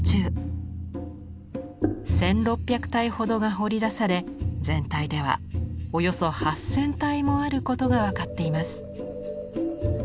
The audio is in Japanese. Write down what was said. １，６００体ほどが掘り出され全体ではおよそ８，０００体もあることが分かっています。